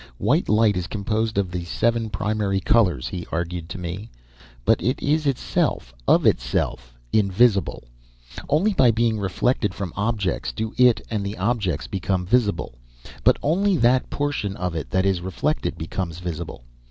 "White light is composed of the seven primary colors," he argued to me. "But it is itself, of itself, invisible. Only by being reflected from objects do it and the objects become visible. But only that portion of it that is reflected becomes visible.